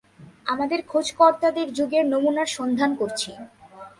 আমাদের খোঁজকর্তাদের যুগের নমুনার সন্ধান করছি।